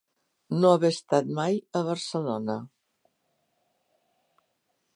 No haver estat mai a Barcelona.